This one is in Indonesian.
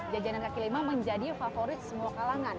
jajanan kaki lima menjadi favorit semua kalangan